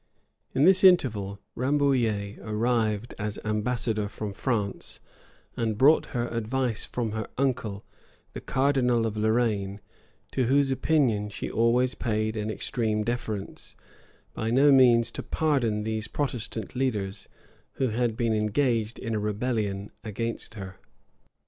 [*] In this interval, Rambouillet arrived as ambassador from France, and brought her advice from her uncle, the cardinal of Lorraine, to whose opinion she always paid an extreme deference, by no means to pardon these Protestant leaders, who had been engaged in a rebellion against her.